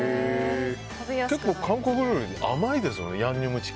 結構、韓国料理って甘いですよね。